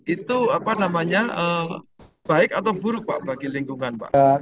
itu apa namanya baik atau buruk pak bagi lingkungan pak